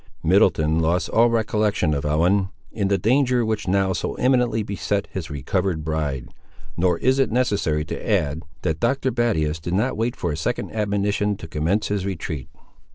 Middleton lost all recollection of Ellen, in the danger which now so eminently beset his recovered bride; nor is it necessary to add, that Dr. Battius did not wait for a second admonition to commence his retreat.